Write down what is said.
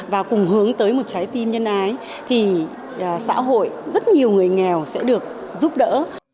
và cùng hướng tới một trái tim nhân ái thì xã hội rất nhiều người nghèo sẽ được giúp đỡ